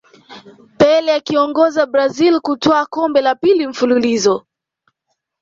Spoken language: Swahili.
pele akiiongoza brazil kutwaa kombe la pili mfululizo